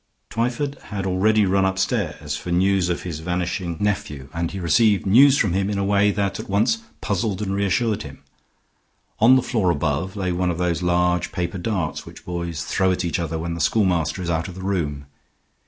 Twyford had already run upstairs for news of his vanishing nephew, and he received news of him in a way that at once puzzled and reassured him. On the floor above lay one of those large paper darts which boys throw at each other when the schoolmaster is out of the room.